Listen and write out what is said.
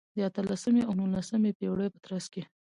د اتلسمې او نولسمې پېړیو په ترڅ کې.